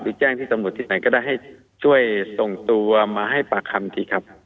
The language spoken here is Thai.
แจ้งที่ตำรวจที่ไหนก็ได้ให้ช่วยส่งตัวมาให้ปากคำทีครับ